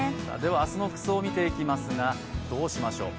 明日の服装を見ていきますがどうしましょう？